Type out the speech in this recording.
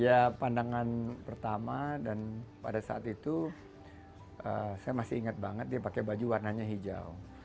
ya pandangan pertama dan pada saat itu saya masih ingat banget dia pakai baju warnanya hijau